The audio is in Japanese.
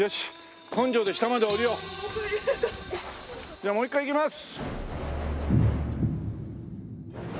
じゃあもう１回いきます！